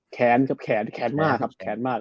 แขนกับแขนแค้นมากครับแค้นมาก